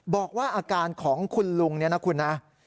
บอกว่าอาการของคุณลุงเนี่ยนะคุณนะ